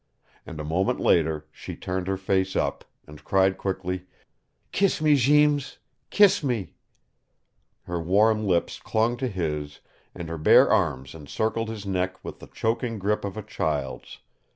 And a moment later she turned her face up, and cried quickly, "Kiss me, Jeems kiss me " Her warm lips clung to his, and her bare arms encircled his neck with the choking grip of a child's.